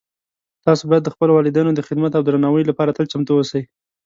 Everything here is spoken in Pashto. تاسو باید د خپلو والدینو د خدمت او درناوۍ لپاره تل چمتو اوسئ